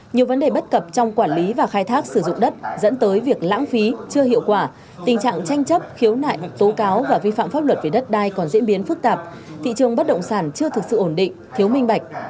nhiều vấn đề bất cập trong quản lý và khai thác sử dụng đất dẫn tới việc lãng phí chưa hiệu quả tình trạng tranh chấp khiếu nại tố cáo và vi phạm pháp luật về đất đai còn diễn biến phức tạp thị trường bất động sản chưa thực sự ổn định thiếu minh bạch